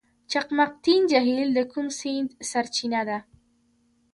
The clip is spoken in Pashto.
چقمقتین جهیل د کوم سیند سرچینه ده؟